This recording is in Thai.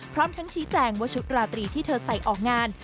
พร้อมทั้งชี้แจงว่าชุดราตรีที่เธอใส่ออกงาน